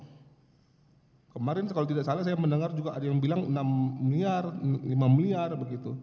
hai kemarin kalau tidak salah saya mendengar juga ada yang bilang enam miliar lima miliar begitu